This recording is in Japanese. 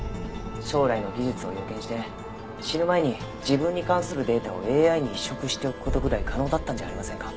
将来の技術を予見して死ぬ前に自分に関するデータをＡＩに移植しておく事ぐらい可能だったんじゃありませんか？